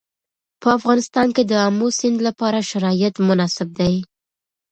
په افغانستان کې د آمو سیند لپاره شرایط مناسب دي.